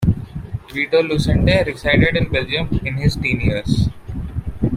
Vito Lucente resided in Belgium in his teen years.